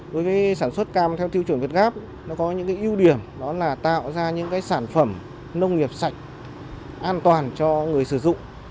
đối với sản xuất cam theo tiêu chuẩn việt gáp nó có những ưu điểm đó là tạo ra những sản phẩm nông nghiệp sạch an toàn cho người sử dụng